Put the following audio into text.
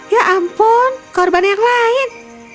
ya ampun korban yang lain